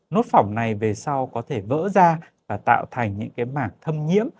nốt phỏng này về sau có thể vỡ ra và tạo thành những cái mảng thâm nhiễm